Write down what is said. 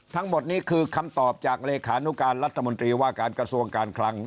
ทั้งหมดนี้คือคำตอบจากเลขานุการรัฐมนตรีว่าการกระทรวงการคลัง